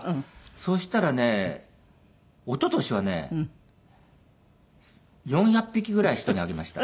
そしたらね一昨年はね４００匹ぐらい人にあげました。